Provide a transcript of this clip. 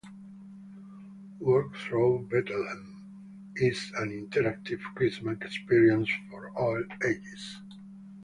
"Walk Through Bethlehem" is an interactive Christmas experience for all ages.